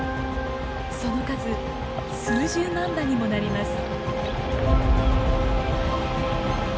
その数数十万羽にもなります。